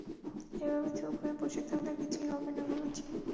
এভাবে চুপ হয়ে বসে থাকলে কিছুই হবে না, গুরু জি।